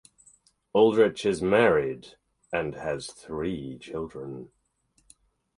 Aldrich is married and has three children.